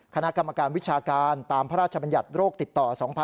คณะกรรมการวิชาการตามพระราชบัญญัติโรคติดต่อ๒๕๖๒